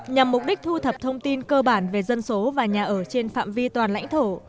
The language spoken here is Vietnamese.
nhằm mục đích thu thập thông tin cơ bản về dân số và nhà ở trên phạm vi toàn lãnh thổ